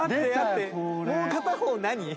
もう片方何？